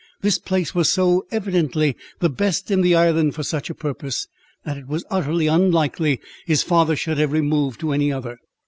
This place was so evidently the best in the island for such a purpose, that it was utterly unlikely his father should have removed to any other.